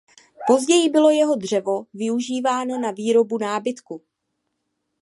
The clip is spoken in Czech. Později bylo jeho dřevo využíváno na výrobu nábytku.